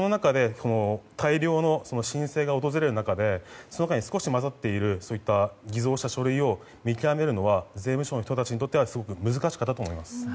大量に申請が訪れる中でその中に少し混ざっているそういった偽造した書類を見極めるのは税務署の人たちにとってはすごく難しかったと思います。